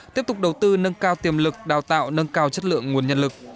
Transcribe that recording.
tiếp tục đầu tư nâng cao tiềm lực đào tạo nâng cao chất lượng nguồn nhân lực